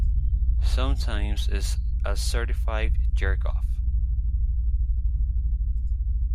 Sometimes it's a certified jerk-off.